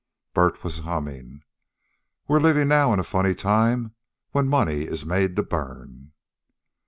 Bert was humming: "We're living now in a funny time, When money is made to burn."